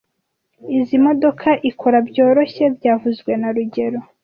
Izoi modoka ikora byoroshye byavuzwe na rugero